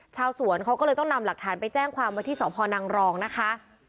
ชาวสวนเขาก็เลยต้องนำหลักฐานไปแจ้งความว่าที่สพนังรองนะคะ